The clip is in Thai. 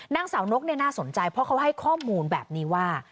นางสาวนกน่าสนใจเพราะเขาให้ข้อมูลแบบนี้ว่า